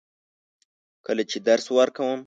کله چې درس ورکوم.